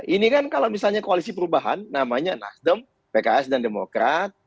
ini kan kalau misalnya koalisi perubahan namanya nasdem pks dan demokrat